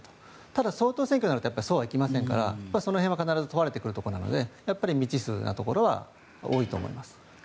ただ、総統選挙になるとそうはいきませんからその辺は必ず問われてくるので未知数なところは多いと思います。